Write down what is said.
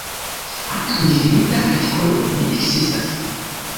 Ankaŭ difinita artikolo ne ekzistas.